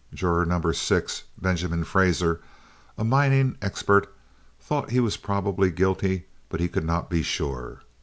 Juror No. 6, Benjamin Fraser, a mining expert, thought he was probably guilty, but he could not be sure.